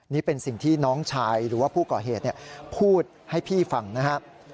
นี่เป็นสิ่งที่น้องชายหรือว่าผู้ก่อเหตุพูดให้พี่ฟังนะครับ